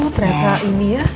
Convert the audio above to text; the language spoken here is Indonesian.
oh ternyata ini ya